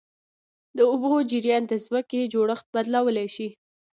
د اوبو جریان د ځمکې جوړښت بدلولی شي.